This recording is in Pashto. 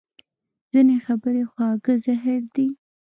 ځینې خبرې خواږه زهر دي